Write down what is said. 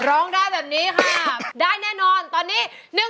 ร้องได้แบบนี้ค่ะได้แน่นอนตอนนี้